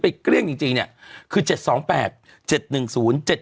เป็นการกระตุ้นการไหลเวียนของเลือด